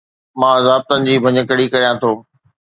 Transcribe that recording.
مان ضابطن جي ڀڃڪڙي ڪريان ٿو